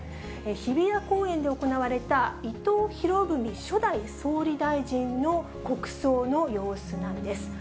日比谷公園で行われた、伊藤博文初代総理大臣の国葬の様子なんです。